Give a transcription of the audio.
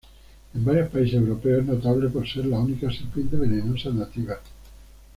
En varios países europeos es notable por ser la única serpiente venenosa nativa.